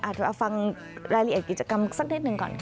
เดี๋ยวฟังรายละเอียดกิจกรรมสักนิดหนึ่งก่อนค่ะ